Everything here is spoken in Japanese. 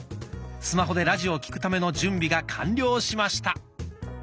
スマホでラジオを聴くための準備が完了しました。